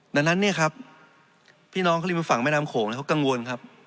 ดังนั้นพี่น้องริมฝั่งแม่น้ำโขงก็กังวลครับ